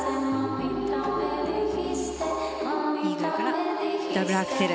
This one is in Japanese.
イーグルからダブルアクセル。